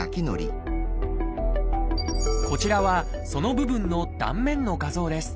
こちらはその部分の断面の画像です。